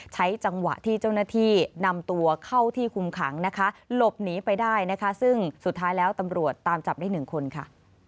ใช้จังหวะที่เจ้าหน้าที่นำตัวเข้าที่คุมขังนะคะหลบหนีไปได้นะคะซึ่งสุดท้ายแล้วตำรวจตามจับได้หนึ่งคนค่ะ